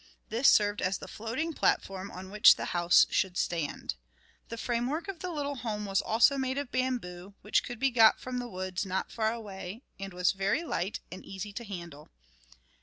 This served as the floating platform on which the house should stand. The framework of the little home was also made of bamboo, which could be got from the woods not far away, and was very light and easy to handle.